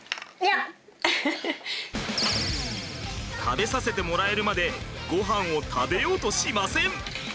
食べさせてもらえるまでごはんを食べようとしません。